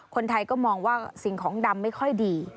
คนไทยก็มองว่าสิ่งของดำไม่ค่อยดี